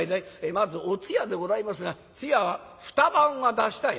「まずお通夜でございますが通夜は２晩は出したい」。